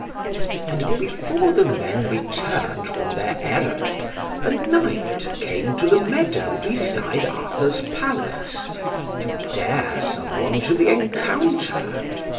And before the men returned from their errand, a knight came to the meadow beside Arthur's Palace, to dare some one to the encounter.